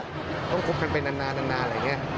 ไม่รู้สึกว่าคุกกันไปนานอะไรอย่างเงี้ย